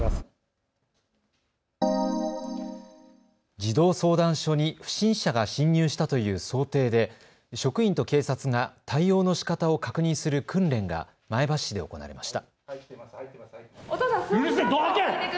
児童相談所に不審者が侵入したという想定で職員と警察が対応のしかたを確認する訓練が前橋市で行われました。